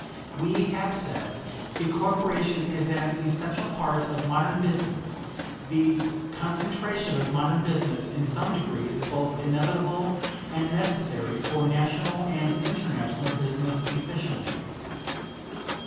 We have said: "The corporation is an essential part of modern business. The concentration of modern business, in some degree, is both inevitable and necessary for National and international business efficiency."